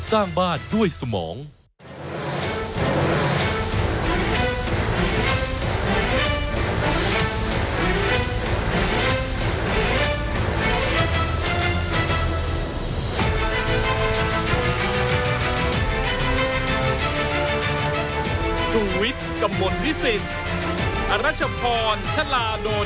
ชูเว็ตตีแสงหน้า